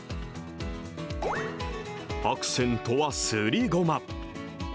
アクセントはすりごま。